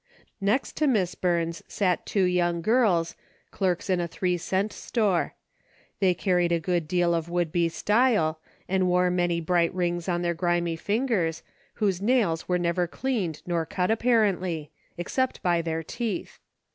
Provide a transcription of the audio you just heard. l^ext to Miss Burns sat two young girls, clerks in a three cent store. They carried a good deal of would be style, and wore many bright rings on their grimy fingers, whose nails were never cleaned nor cut apparently — except by their teeth.